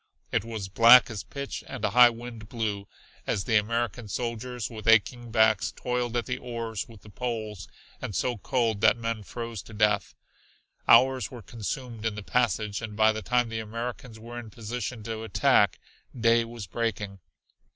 It was black as pitch and a high wind blew, as the American soldiers with aching backs toiled at the oars and the poles and so cold that men froze to death. Hours were consumed in the passage, and by the time the Americans were in position to attack, day was breaking.